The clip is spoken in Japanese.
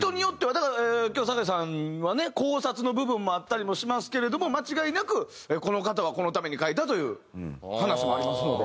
だから今日さかいさんにはね考察の部分もあったりもしますけれども間違いなくこの方はこのために書いたという話もありますので。